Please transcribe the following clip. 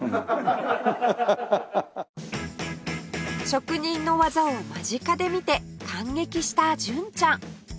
職人の技を間近で見て感激した純ちゃん